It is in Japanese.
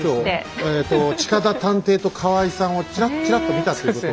えと近田探偵と河合さんをチラッチラッと見たっていうことは。